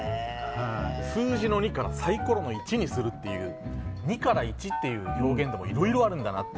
数字の２からサイコロの１にするという２から１っていう表現でもいろいろあるんだなって。